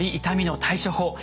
痛みの対処法。